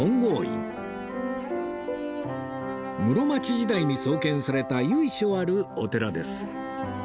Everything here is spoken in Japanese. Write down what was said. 室町時代に創建された由緒あるお寺です